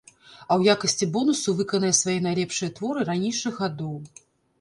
А ў якасці бонусу выканае свае найлепшыя творы ранейшых гадоў.